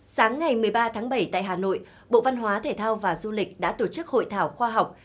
sáng ngày một mươi ba tháng bảy tại hà nội bộ văn hóa thể thao và du lịch đã tổ chức hội thảo khoa học